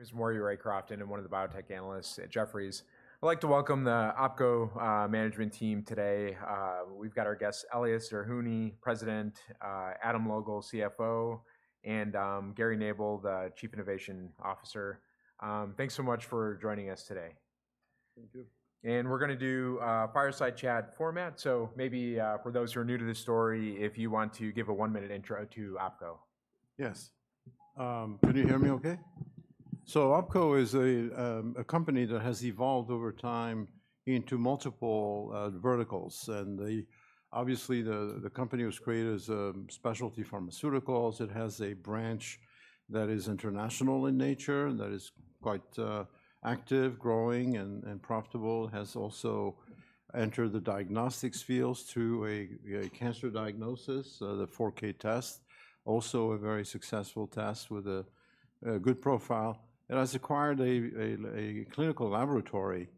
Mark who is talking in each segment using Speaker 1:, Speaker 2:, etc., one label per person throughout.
Speaker 1: My name is Maury Raycroft. I'm one of the biotech analysts at Jefferies. I'd like to welcome the OPKO management team today. We've got our guests, Elias Zerhouni, President, Adam Logal, CFO, and Gary Nabel, the Chief Innovation Officer. Thanks so much for joining us today.
Speaker 2: Thank you.
Speaker 1: We're gonna do a fireside chat format, so maybe, for those who are new to this story, if you want to give a 1-minute intro to OPKO.
Speaker 2: Yes. Can you hear me okay? So OPKO is a company that has evolved over time into multiple verticals, and obviously, the company was created as specialty pharmaceuticals. It has a branch that is international in nature, and that is quite active, growing, and profitable. It has also entered the diagnostics fields through a cancer diagnosis, the 4K test, also a very successful test with a good profile, and has acquired a clinical laboratory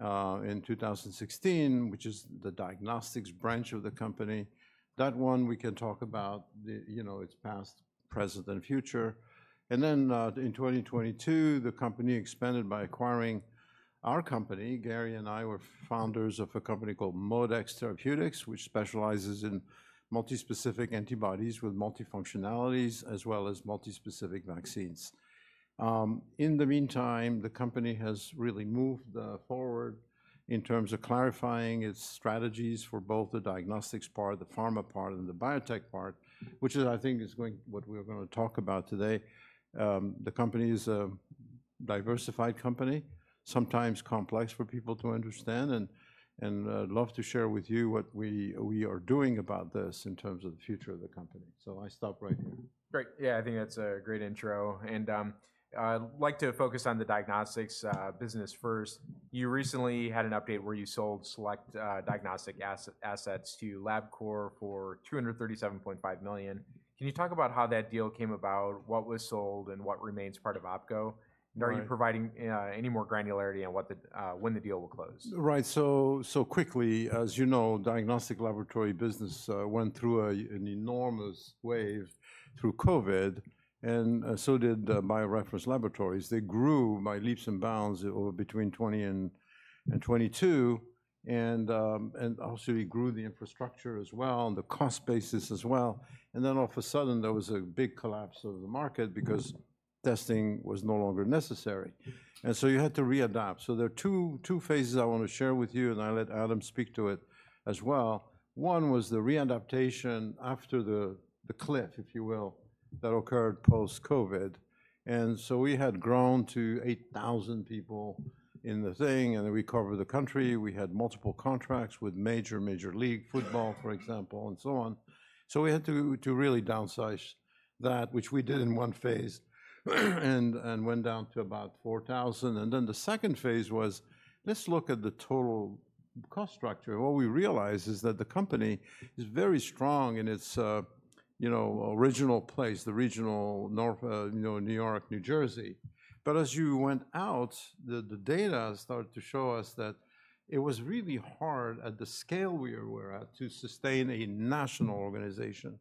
Speaker 2: in 2016, which is the diagnostics branch of the company. That one we can talk about, you know, its past, present, and future. And then, in 2022, the company expanded by acquiring our company. Gary and I were founders of a company called ModeX Therapeutics, which specializes in multispecific antibodies with multifunctionalities, as well as multispecific vaccines. In the meantime, the company has really moved forward in terms of clarifying its strategies for both the diagnostics part, the pharma part, and the biotech part, which is, I think, is going- what we're gonna talk about today. The company is a diversified company, sometimes complex for people to understand, and I'd love to share with you what we are doing about this in terms of the future of the company. So I stop right here.
Speaker 1: Great. Yeah, I think that's a great intro, and I'd like to focus on the diagnostics business first. You recently had an update where you sold select diagnostic assets to Labcorp for $237.5 million. Can you talk about how that deal came about, what was sold, and what remains part of OPKO?
Speaker 2: Right.
Speaker 1: Are you providing any more granularity on what the... when the deal will close?
Speaker 2: Right. So quickly, as you know, diagnostic laboratory business went through an enormous wave through COVID, and so did BioReference Laboratories. They grew by leaps and bounds over between 2020 and 2022, and obviously, we grew the infrastructure as well, and the cost basis as well. And then all of a sudden, there was a big collapse of the market because testing was no longer necessary, and so you had to readapt. So there are phases II I want to share with you, and I'll let Adam speak to it as well. One was the readaptation after the cliff, if you will, that occurred post-COVID, and so we had grown to 8,000 people in the thing, and we covered the country. We had multiple contracts with major Major League Football, for example, and so on. So we had to really downsize that, which we did in phase I and went down to about 4,000. And then the phase II was, let's look at the total cost structure. What we realized is that the company is very strong in its, you know, original place, the regional North, you know, New York, New Jersey. But as you went out, the data started to show us that it was really hard at the scale we were at to sustain a national organization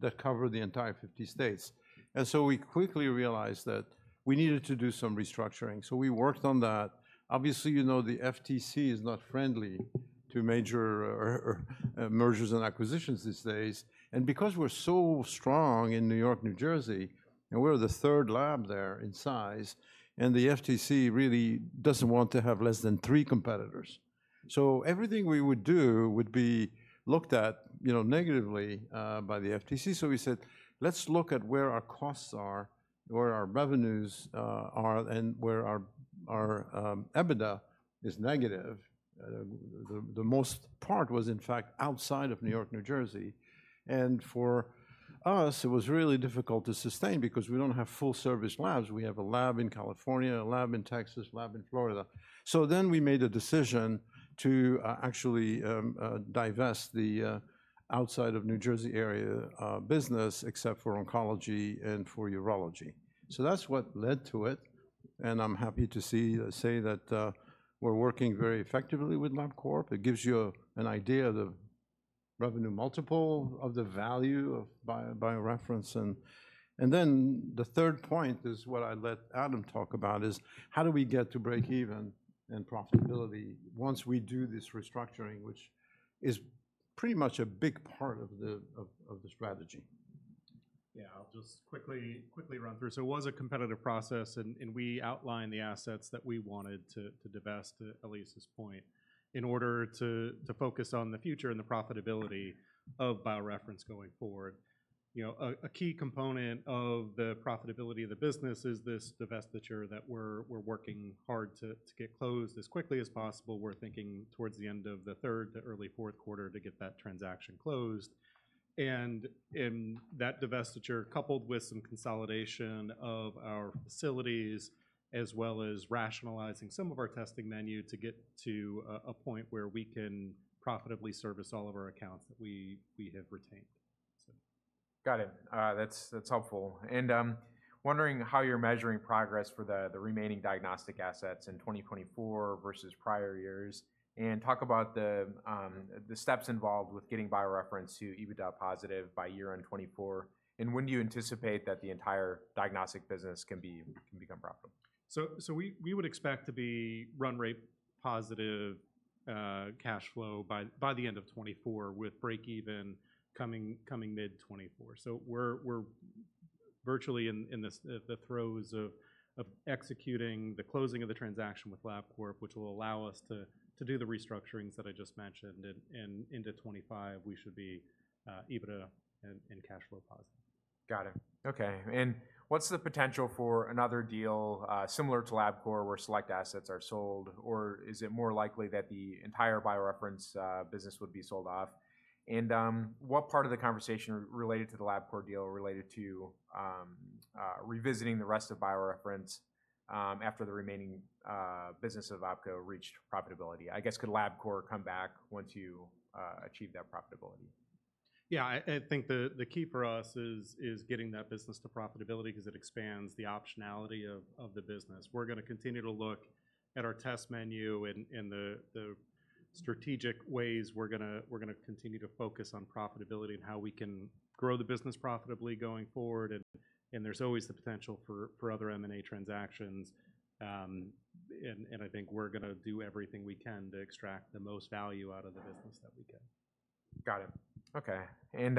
Speaker 2: that covered the entire 50 states. And so we quickly realized that we needed to do some restructuring, so we worked on that. Obviously, you know, the FTC is not friendly to major mergers and acquisitions these days, and because we're so strong in New York, New Jersey, and we're the third lab there in size, and the FTC really doesn't want to have less than three competitors. So everything we would do would be looked at, you know, negatively by the FTC. So we said, "Let's look at where our costs are, where our revenues are, and where our EBITDA is negative." The most part was, in fact, outside of New York, New Jersey, and for us, it was really difficult to sustain because we don't have full-service labs. We have a lab in California, a lab in Texas, a lab in Florida. So then we made a decision to, actually, divest the, "outside of New Jersey area," business, except for oncology and for urology. So that's what led to it, and I'm happy to see say that, we're working very effectively with Labcorp. It gives you a, an idea of the revenue multiple, of the value of BioReference. And, and then the third point is what I let Adam talk about, is how do we get to breakeven and profitability once we do this restructuring, which is pretty much a big part of the, of, of the strategy?
Speaker 3: Yeah, I'll just quickly run through. So it was a competitive process, and we outlined the assets that we wanted to divest, to Elias's point, in order to focus on the future and the profitability of BioReference going forward. You know, a key component of the profitability of the business is this divestiture that we're working hard to get closed as quickly as possible. We're thinking towards the end of the third to early fourth quarter to get that transaction closed. And in that divestiture, coupled with some consolidation of our facilities, as well as rationalizing some of our testing menu to get to a point where we can profitably service all of our accounts that we have retained, so...
Speaker 1: Got it. That's helpful, and wondering how you're measuring progress for the remaining diagnostic assets in 2024 versus prior years. And talk about the steps involved with getting BioReference to EBITDA positive by year-end 2024, and when do you anticipate that the entire diagnostic business can become profitable?
Speaker 3: So we would expect to be run rate positive cash flow by the end of 2024, with breakeven coming mid-2024. So we're virtually in the throes of executing the closing of the transaction with Labcorp, which will allow us to do the restructurings that I just mentioned. And into 2025, we should be EBITDA and cash flow positive.
Speaker 1: Got it. Okay, and what's the potential for another deal, similar to Labcorp, where select assets are sold? Or is it more likely that the entire BioReference business would be sold off? And, what part of the conversation related to the Labcorp deal related to, revisiting the rest of BioReference, after the remaining business of OPKO reached profitability? I guess, could Labcorp come back once you achieve that profitability?
Speaker 3: Yeah, I think the key for us is getting that business to profitability, 'cause it expands the optionality of the business. We're gonna continue to look at our test menu and the strategic ways we're gonna continue to focus on profitability and how we can grow the business profitably going forward. And there's always the potential for other M&A transactions. And I think we're gonna do everything we can to extract the most value out of the business that we can.
Speaker 1: Got it. Okay, and,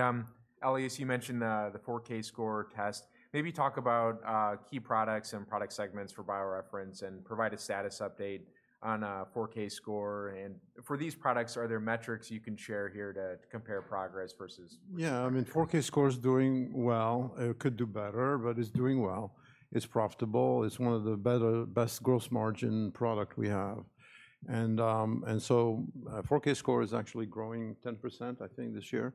Speaker 1: Elias, you mentioned the 4Kscore test. Maybe talk about key products and product segments for BioReference, and provide a status update on 4Kscore. And for these products, are there metrics you can share here to compare progress versus-
Speaker 2: Yeah, I mean, 4Kscore's doing well. It could do better, but it's doing well. It's profitable. It's one of the better, best gross margin product we have. And, and so, 4Kscore is actually growing 10%, I think, this year.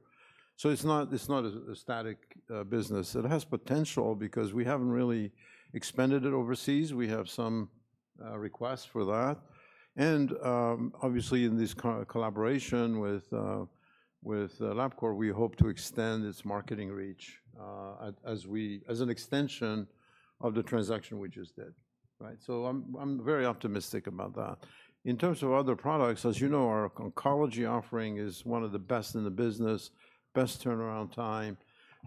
Speaker 2: So it's not, it's not a, a static, business. It has potential because we haven't really expanded it overseas. We have some requests for that. And, obviously, in this collaboration with LabCorp, we hope to extend its marketing reach, as we... As an extension of the transaction we just did, right? So I'm very optimistic about that. In terms of other products, as you know, our oncology offering is one of the best in the business, best turnaround time,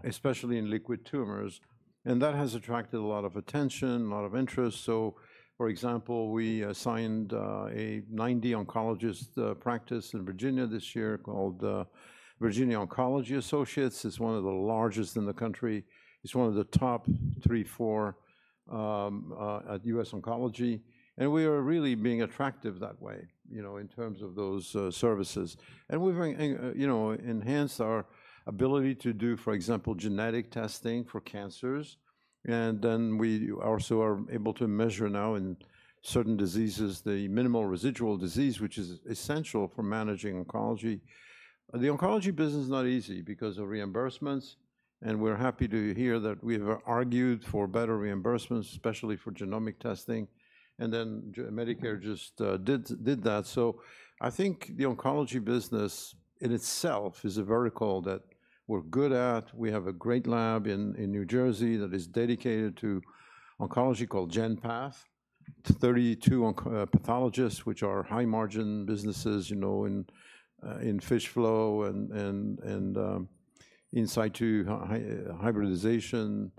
Speaker 2: especially in liquid tumors, and that has attracted a lot of attention, a lot of interest. So, for example, we signed a 90-oncologist practice in Virginia this year called Virginia Oncology Associates. It's one of the largest in the country. It's one of the top three, four at U.S. Oncology, and we are really being attractive that way, you know, in terms of those services. We've even, you know, enhanced our ability to do, for example, genetic testing for cancers, and then we also are able to measure now in certain diseases, the minimal residual disease, which is essential for managing oncology. The oncology business is not easy because of reimbursements, and we're happy to hear that we have argued for better reimbursements, especially for genomic testing, and then Medicare just did that. So I think the oncology business in itself is a vertical that we're good at. We have a great lab in New Jersey that is dedicated to oncology, called GenPath. It's 32 onco-pathologists, which are high-margin businesses, you know, in FISH flow and in situ hybridization,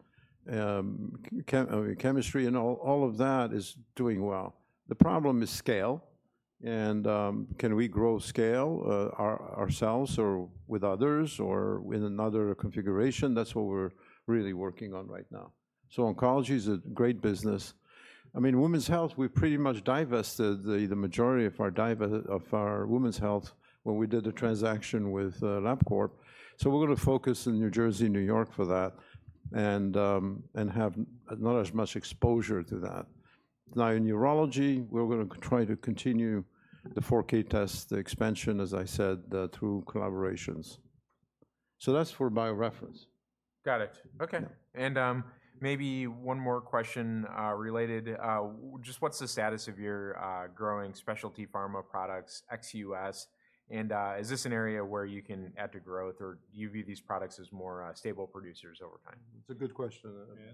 Speaker 2: chemistry, and all of that is doing well. The problem is scale, and can we grow scale ourselves or with others or in another configuration? That's what we're really working on right now. So oncology is a great business. I mean, women's health, we pretty much divested the majority of our women's health when we did the transaction with Labcorp. So we're gonna focus in New Jersey and New York for that and have not as much exposure to that. Now, in urology, we're gonna try to continue the 4K test, the expansion, as I said, through collaborations. So that's for BioReference.
Speaker 1: Got it. Okay.
Speaker 2: Yeah.
Speaker 1: Maybe one more question related to just what's the status of your growing specialty pharma products, ex U.S., and is this an area where you can add to growth, or do you view these products as more stable producers over time?
Speaker 2: It's a good question.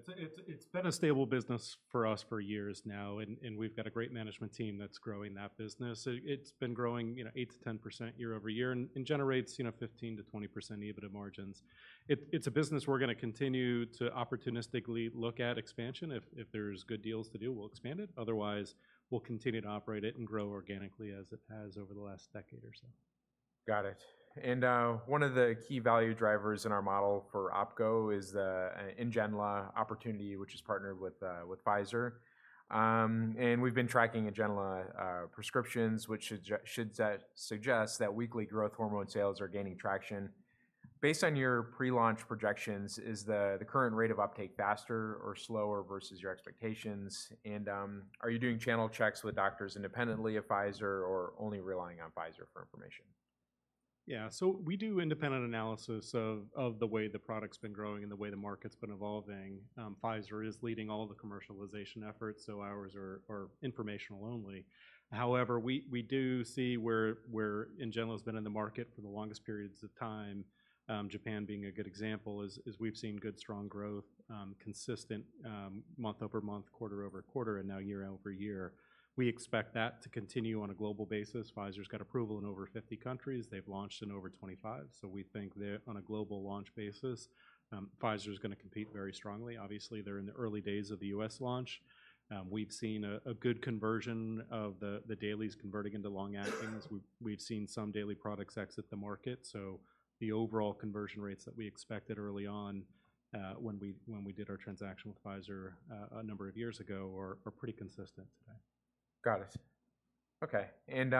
Speaker 3: Yeah, it's been a stable business for us for years now, and we've got a great management team that's growing that business. It's been growing, you know, 8%-10% year-over-year and generates, you know, 15%-20% EBITDA margins. It's a business we're gonna continue to opportunistically look at expansion. If there's good deals to do, we'll expand it. Otherwise, we'll continue to operate it and grow organically as it has over the last decade or so.
Speaker 1: Got it. One of the key value drivers in our model for OPKO is the NGENLA opportunity, which is partnered with Pfizer. We've been tracking NGENLA prescriptions, which should suggest that weekly growth hormone sales are gaining traction. Based on your pre-launch projections, is the current rate of uptake faster or slower versus your expectations? Are you doing channel checks with doctors independently of Pfizer or only relying on Pfizer for information?
Speaker 3: Yeah, so we do independent analysis of the way the product's been growing and the way the market's been evolving. Pfizer is leading all the commercialization efforts, so ours are informational only. However, we do see where NGENLA has been in the market for the longest periods of time, Japan being a good example, as we've seen good, strong growth, consistent, month-over-month, quarter-over-quarter, and now year-over-year. We expect that to continue on a global basis. Pfizer's got approval in over 50 countries. They've launched in over 25. So we think that on a global launch basis, Pfizer's gonna compete very strongly. Obviously, they're in the early days of the U.S. launch. We've seen a good conversion of the dailies converting into long-actings. We've seen some daily products exit the market. The overall conversion rates that we expected early on, when we did our transaction with Pfizer a number of years ago, are pretty consistent today.
Speaker 1: Got it. Okay, and,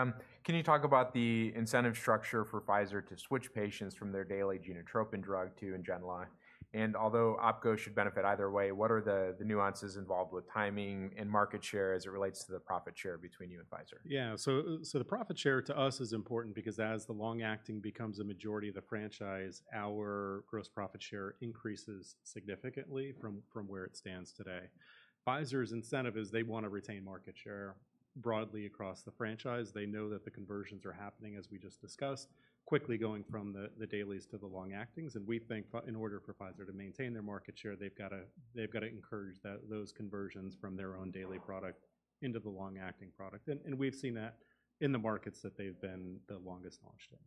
Speaker 1: can you talk about the incentive structure for Pfizer to switch patients from their daily Genotropin drug to Ngenla? And although OPKO should benefit either way, what are the nuances involved with timing and market share as it relates to the profit share between you and Pfizer?
Speaker 3: Yeah, so, so the profit share to us is important because as the long-acting becomes a majority of the franchise, our gross profit share increases significantly from, from where it stands today. Pfizer's incentive is they want to retain market share broadly across the franchise. They know that the conversions are happening, as we just discussed, quickly going from the, the dailies to the long-actings, and we think in order for Pfizer to maintain their market share, they've got to, they've got to encourage that, those conversions from their own daily product into the long-acting product. And, and we've seen that in the markets that they've been the longest launched in.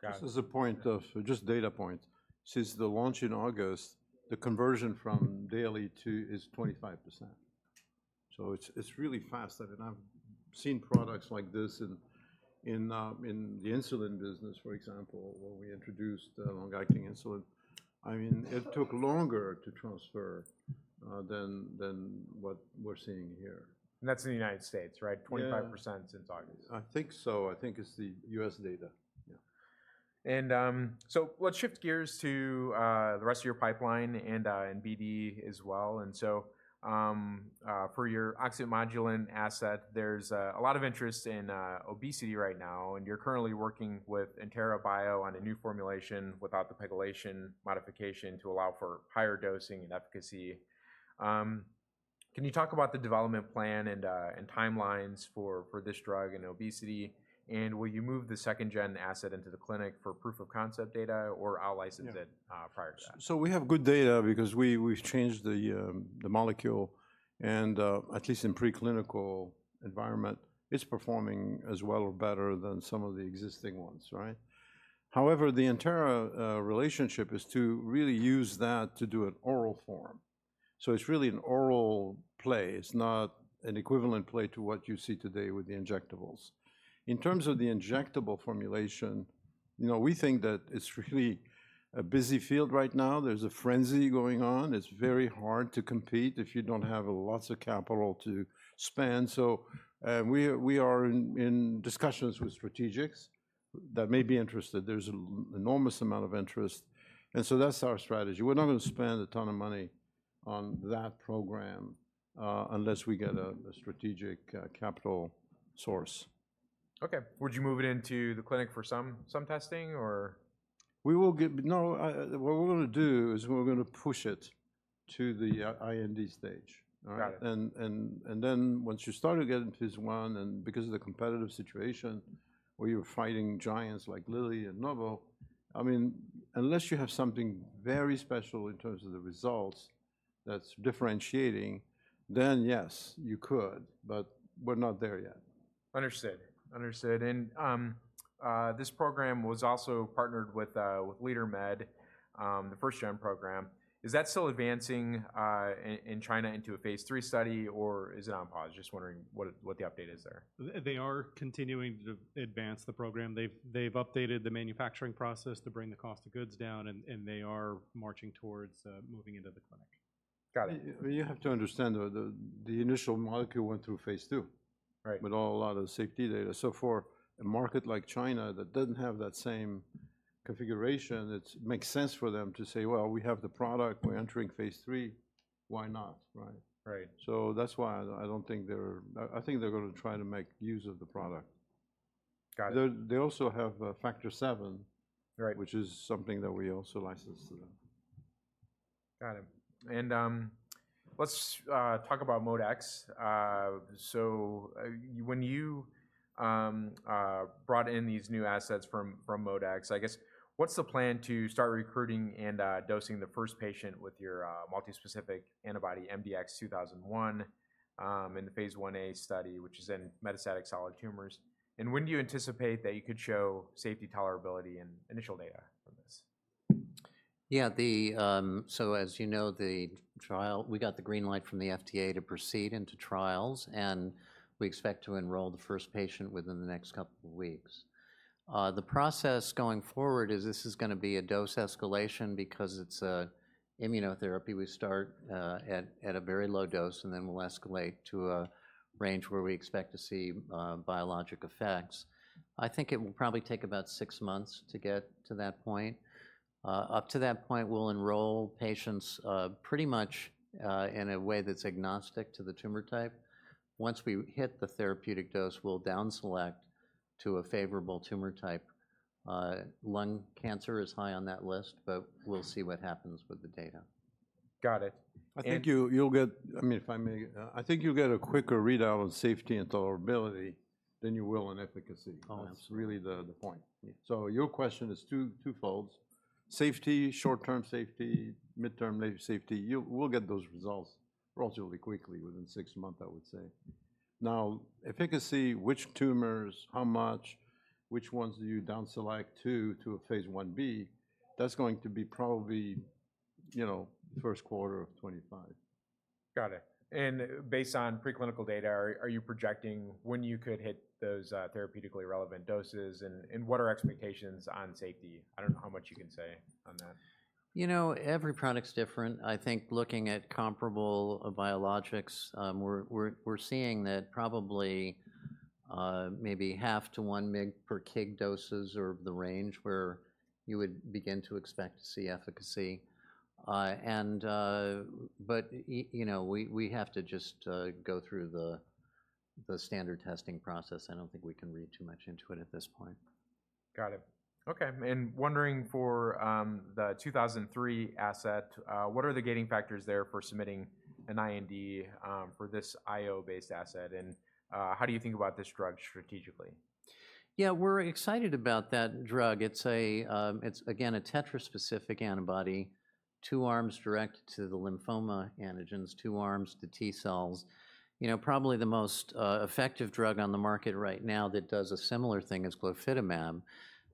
Speaker 1: Got it.
Speaker 2: This is a point of, just data point. Since the launch in August, the conversion from daily to is 25%. So it's, it's really fast, and I've seen products like this in, in, the insulin business, for example, where we introduced a long-acting insulin. I mean, it took longer to transfer than what we're seeing here.
Speaker 1: That's in the United States, right?
Speaker 2: Yeah.
Speaker 1: 25% since August.
Speaker 2: I think so. I think it's the U.S. data, yeah.
Speaker 1: And, so let's shift gears to the rest of your pipeline and and BD as well. And so, per your oxyntomodulin asset, there's a lot of interest in obesity right now, and you're currently working with Entera Bio on a new formulation without the Pegylation modification to allow for higher dosing and efficacy. Can you talk about the development plan and and timelines for for this drug in obesity, and will you move the second-gen asset into the clinic for proof of concept data or out-license it-
Speaker 2: Yeah...
Speaker 1: prior to that?
Speaker 2: So we have good data because we, we've changed the molecule, and at least in preclinical environment, it's performing as well or better than some of the existing ones, right? However, the Entera relationship is to really use that to do an oral form. So it's really an oral play. It's not an equivalent play to what you see today with the injectables. In terms of the injectable formulation, you know, we think that it's really a busy field right now. There's a frenzy going on. It's very hard to compete if you don't have lots of capital to spend, so we are in discussions with strategics that may be interested. There's an enormous amount of interest, and so that's our strategy. We're not gonna spend a ton of money on that program unless we get a strategic capital source.
Speaker 1: Okay. Would you move it into the clinic for some testing, or?
Speaker 2: We will give... No, what we're gonna do is we're gonna push it to the IND stage.
Speaker 1: Got it.
Speaker 2: All right? And then once you start to get into phase I, and because of the competitive situation, where you're fighting giants like Lilly and Novo, I mean, unless you have something very special in terms of the results that's differentiating, then yes, you could, but we're not there yet.
Speaker 1: Understood. Understood, and this program was also partnered with LeaderMed, the first-gen program. Is that still advancing in China into a phase III study, or is it on pause? Just wondering what the update is there.
Speaker 3: They are continuing to advance the program. They've updated the manufacturing process to bring the cost of goods down, and they are marching towards moving into the clinic.
Speaker 1: Got it.
Speaker 2: You have to understand, the initial molecule went through phase II-
Speaker 1: Right...
Speaker 2: with a whole lot of safety data. So for a market like China that doesn't have that same configuration, it makes sense for them to say, "Well, we have the product. We're entering phase III. Why not?" Right?
Speaker 1: Right.
Speaker 2: So that's why I don't think they're... I think they're gonna try to make use of the product.
Speaker 1: Got it.
Speaker 2: They, they also have Factor VII-
Speaker 1: Right...
Speaker 2: which is something that we also licensed to them.
Speaker 1: Got it. Let's talk about ModeX. When you brought in these new assets from ModeX, I guess, what's the plan to start recruiting and dosing the first patient with your multispecific antibody, MDX-2001, in the phase I a study, which is in metastatic solid tumors? And when do you anticipate that you could show safety tolerability and initial data from this?
Speaker 4: Yeah, the... So as you know, the trial, we got the green light from the FDA to proceed into trials, and we expect to enroll the first patient within the next couple of weeks. The process going forward is this is gonna be a dose escalation because it's a immunotherapy. We start at a very low dose, and then we'll escalate to a range where we expect to see biologic effects. I think it will probably take about six months to get to that point. Up to that point, we'll enroll patients pretty much in a way that's agnostic to the tumor type. Once we hit the therapeutic dose, we'll down select to a favorable tumor type. Lung cancer is high on that list, but we'll see what happens with the data.
Speaker 1: Got it.
Speaker 2: I think you-
Speaker 1: And-
Speaker 2: You'll get... I mean, I think you'll get a quicker readout on safety and tolerability than you will on efficacy.
Speaker 4: Oh, absolutely.
Speaker 2: That's really the point.
Speaker 4: Yeah.
Speaker 2: So your question is twofold: safety, short-term safety, midterm safety. We'll get those results relatively quickly, within six months, I would say. Now, efficacy, which tumors, how much, which ones do you down select to a phase Ib, that's going to be probably, you know, first quarter of 2025.
Speaker 1: Got it. And based on preclinical data, are you projecting when you could hit those therapeutically relevant doses, and what are expectations on safety? I don't know how much you can say on that.
Speaker 4: You know, every product's different. I think looking at comparable biologics, we're seeing that probably maybe 0.5mg-1 mg per kg doses are the range where you would begin to expect to see efficacy. You know, we have to just go through the standard testing process. I don't think we can read too much into it at this point.
Speaker 1: Got it. Okay, and wondering for the 2003 asset, what are the gating factors there for submitting an IND for this IO-based asset, and how do you think about this drug strategically?
Speaker 4: Yeah, we're excited about that drug. It's a, it's, again, a tetra-specific antibody, two arms direct to the lymphoma antigens, two arms to T cells. You know, probably the most effective drug on the market right now that does a similar thing is glofitamab.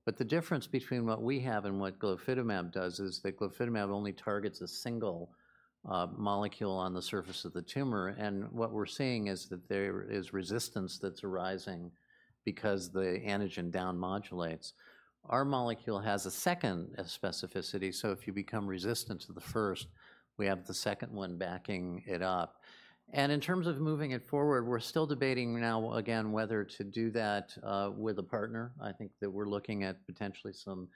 Speaker 4: But the difference between what we have and what glofitamab does is that glofitamab only targets a single molecule on the surface of the tumor, and what we're seeing is that there is resistance that's arising because the antigen down modulates. Our molecule has a second specificity, so if you become resistant to the first, we have the second one backing it up. And in terms of moving it forward, we're still debating now, again, whether to do that with a partner. I think that we're looking at potentially some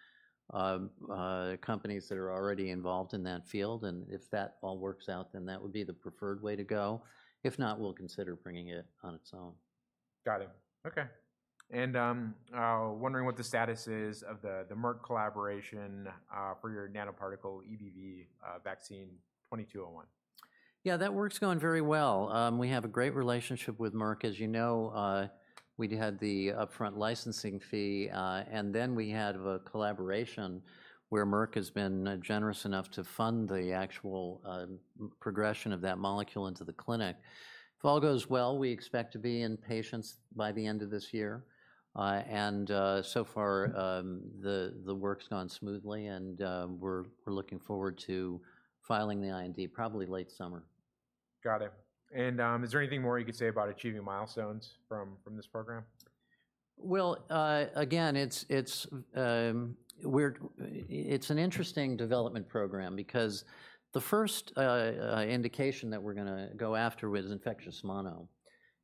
Speaker 4: companies that are already involved in that field, and if that all works out, then that would be the preferred way to go. If not, we'll consider bringing it on its own.
Speaker 1: Got it. Okay, and wondering what the status is of the Merck collaboration for your nanoparticle EBV vaccine 2201.
Speaker 4: Yeah, that work's going very well. We have a great relationship with Merck. As you know, we'd had the upfront licensing fee, and then we had a collaboration where Merck has been generous enough to fund the actual progression of that molecule into the clinic. If all goes well, we expect to be in patients by the end of this year. And so far, the work's gone smoothly, and we're looking forward to filing the IND probably late summer.
Speaker 1: Got it, and is there anything more you could say about achieving milestones from this program?
Speaker 4: Well, again, it's an interesting development program because the first indication that we're gonna go after is infectious mono,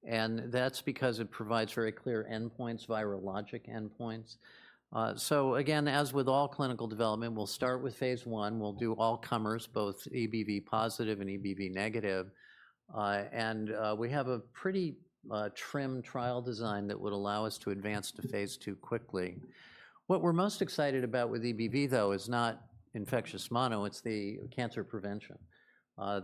Speaker 4: and that's because it provides very clear endpoints, virologic endpoints. So again, as with all clinical development, we'll start with phase I. We'll do all comers, both EBV positive and EBV negative. And we have a pretty trim trial design that would allow us to advance to phase II quickly. What we're most excited about with EBV, though, is not infectious mono, it's the cancer prevention.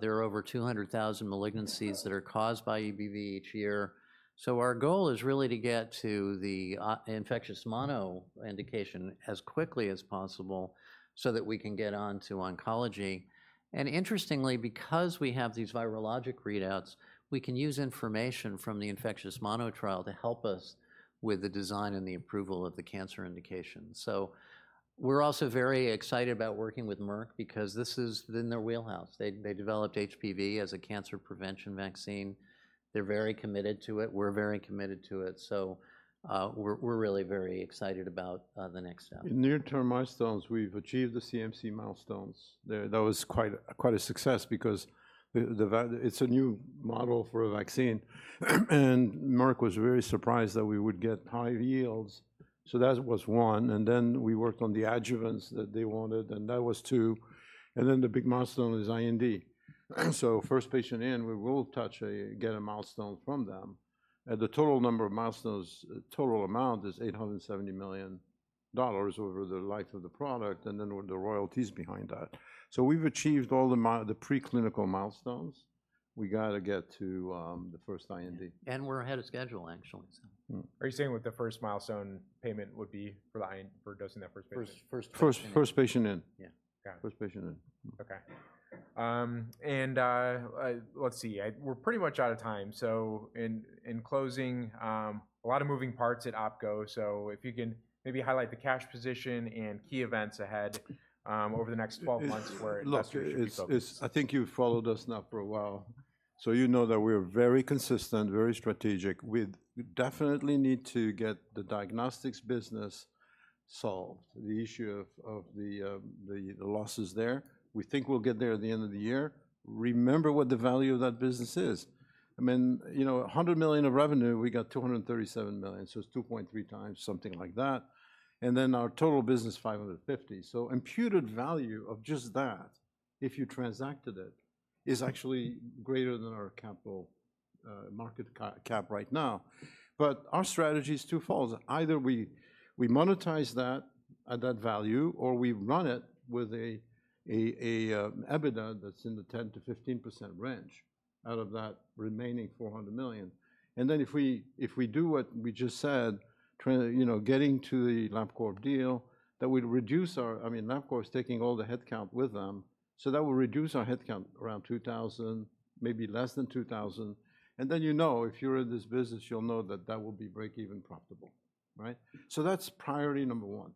Speaker 4: There are over 200,000 malignancies that are caused by EBV each year, so our goal is really to get to the infectious mono indication as quickly as possible so that we can get on to oncology. Interestingly, because we have these virologic readouts, we can use information from the infectious mono trial to help us with the design and the approval of the cancer indication. We're also very excited about working with Merck because this is in their wheelhouse. They developed HPV as a cancer prevention vaccine. They're very committed to it. We're very committed to it. We're really very excited about the next step.
Speaker 2: In near-term milestones, we've achieved the CMC milestones. There, that was quite a success because it's a new model for a vaccine, and Merck was very surprised that we would get high yields. So that was 1, and then we worked on the adjuvants that they wanted, and that was two, and then the big milestone is IND. So first patient in, we will touch a, get a milestone from them. The total number of milestones, total amount is $870 million over the life of the product, and then with the royalties behind that. So we've achieved all the preclinical milestones. We gotta get to the first IND.
Speaker 4: We're ahead of schedule, actually, so...
Speaker 2: Mm.
Speaker 1: Are you saying with the first milestone payment would be for the IND for dosing that first patient?
Speaker 4: First, first-
Speaker 2: First patient in.
Speaker 4: Yeah.
Speaker 1: Got it.
Speaker 2: First patient in.
Speaker 1: Okay, we're pretty much out of time, so in closing, a lot of moving parts at OPKO, so if you can maybe highlight the cash position and key events ahead, over the next 12 months.
Speaker 2: It's-
Speaker 1: where investors should be focused.
Speaker 2: It's, I think you've followed us now for a while, so you know that we're very consistent, very strategic. We definitely need to get the diagnostics business solved, the issue of the losses there. We think we'll get there at the end of the year. Remember what the value of that business is. I mean, you know, $100 million of revenue, we got $237 million, so it's 2.3x, something like that, and then our total business, $550. So imputed value of just that, if you transacted it, is actually greater than our capital market cap right now. But our strategy is two folds. Either we monetize that at that value, or we run it with an EBITDA that's in the 10%-15% range out of that remaining $400 million. And then if we do what we just said, trying to, you know, getting to the Labcorp deal, that would reduce our... I mean, Labcorp's taking all the headcount with them, so that will reduce our headcount around 2,000, maybe less than 2,000. And then you know, if you're in this business, you'll know that that will be break-even profitable, right? So that's priority number one.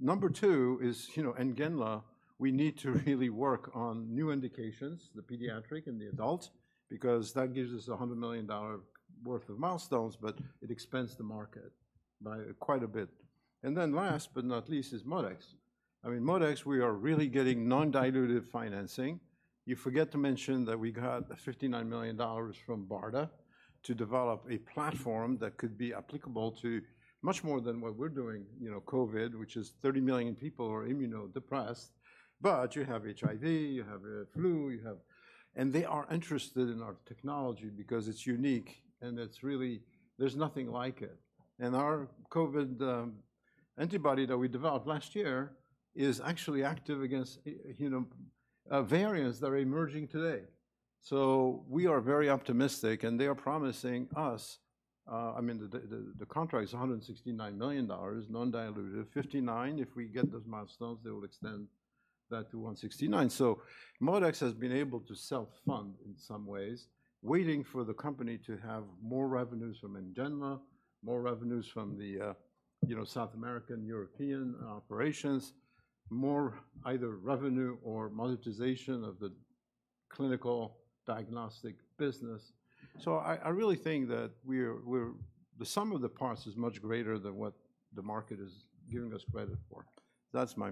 Speaker 2: Number two is, you know, Entera, we need to really work on new indications, the pediatric and the adult, because that gives us $100 million worth of milestones, but it expands the market by quite a bit. And then last but not least is ModeX. I mean, ModeX, we are really getting non-dilutive financing. You forget to mention that we got $59 million from BARDA to develop a platform that could be applicable to much more than what we're doing, you know, COVID, which is 30 million people are immuno-depressed, but you have HIV, you have flu. And they are interested in our technology because it's unique, and it's really, there's nothing like it. And our COVID antibody that we developed last year is actually active against, you know, variants that are emerging today. So we are very optimistic, and they are promising us, I mean, the contract is $169 million, non-dilutive. Fifty-nine, if we get those milestones, they will extend that to 169. So ModeX has been able to self-fund in some ways, waiting for the company to have more revenues from Entera, more revenues from the, you know, South American, European operations, more either revenue or monetization of the clinical diagnostic business. So I, I really think that we're, we're, the sum of the parts is much greater than what the market is giving us credit for. That's my message.